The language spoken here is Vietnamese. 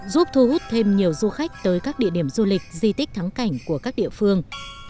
giúp thu hút thêm nhiều du khách tới các địa điểm du lịch di tích thắng cảnh của các địa phương